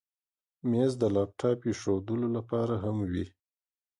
مېز د لپټاپ ایښودلو لپاره هم وي.